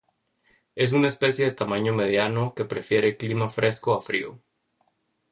Es una especie de tamaño mediano, que prefiere clima fresco a frío.